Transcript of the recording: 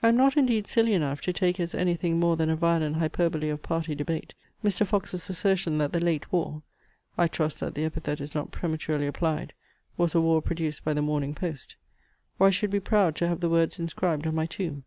I am not indeed silly enough to take as any thing more than a violent hyperbole of party debate, Mr. Fox's assertion that the late war (I trust that the epithet is not prematurely applied) was a war produced by the Morning Post; or I should be proud to have the words inscribed on my tomb.